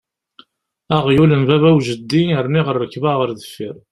Aɣyul n baba u jeddi rniɣ rrekba ɣer deffier!